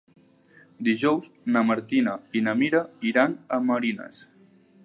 Dijous na Martina i na Mira iran a Marines.